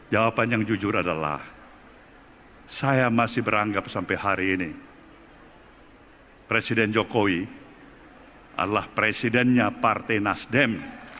jawaban yang jujur adalah saya masih beranggap sampai hari ini presiden jokowi adalah presidennya partai nasdem